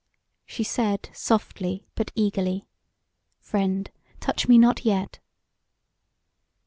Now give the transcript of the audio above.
She said softly but eagerly: "Friend, touch me not yet!"